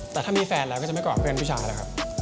แต่ถ้ามีแฟนแล้วก็จะไม่กอดเพื่อนผู้ชายแล้วครับ